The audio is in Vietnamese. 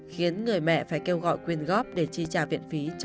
khiến người mẹ phải kêu gọi quyên góp để chi trả viện phí